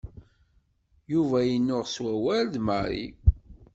Yuba yennuɣ s wawal d Mary.